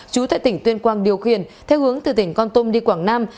chú tại tỉnh tuyên quang điều khiển theo hướng từ tỉnh con tum đi quảng nam